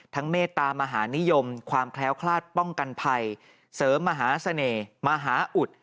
เมตตามหานิยมความแคล้วคลาดป้องกันภัยเสริมมหาเสน่ห์มหาอุด